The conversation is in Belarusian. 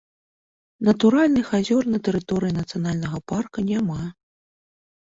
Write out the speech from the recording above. Натуральных азёр на тэрыторыі нацыянальнага парка няма.